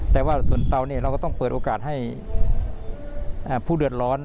แต่ว่าส่วนเตาเนี่ยเราก็ต้องเปิดโอกาสให้ผู้เดือดร้อน